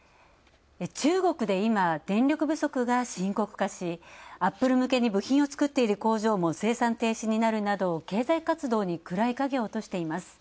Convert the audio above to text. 中国で今、電力不足が深刻化し、アップル向けに部品を作っている工場も生産停止になるなど経済活動に暗い影を落としています。